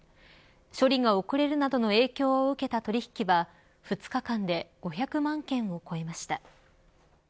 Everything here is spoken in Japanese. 処理が遅れるなどの影響を受けた取引は２日間で５００万件を超えました。